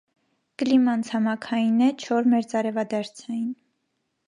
Կլիման ցամաքային է, չոր մերձարևադարձային։